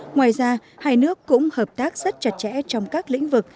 ngoài ra hai nước cũng hợp tác rất chặt chẽ trong các lĩnh vực